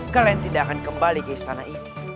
kamu tidak akan kembali ke istana itu